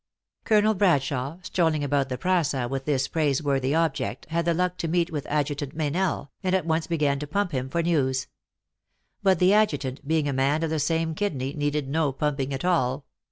Colonel Bradshawe, strolling about the praca with this praiseworthy object, had the luck to meet with Adjutant Meynell, and at once began to pump him for news. But the adjutant, being a man of the same kidney, needed no pumping at all.